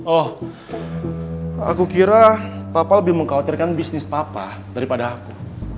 oh aku kira papa lebih mengkhawatirkan bisnis papa daripada aku